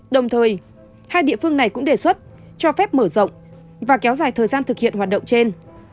đồng thời hai địa phương này cũng đề xuất cho phép mở rộng và kéo dài thời gian thực hiện hoạt động trên